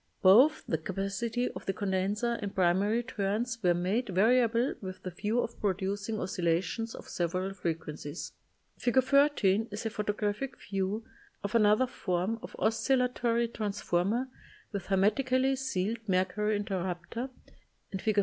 Both the capacity of the condenser and primary turns were made variable with the view of producing oscillations of several frequencies. Fig. 13 is a photographic view of another form of oscillatory transformer with her metically sealed mercury interrupter, and Fig.